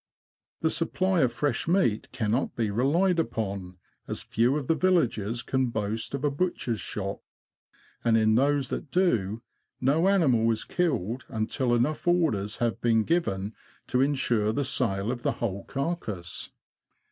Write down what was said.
The supply of fresh meat cannot be relied upon, as few of the villages can boast of a butcher's shop ; and in those that do, no animal is killed until enough orders have been given to insure the sale of the whole carcase.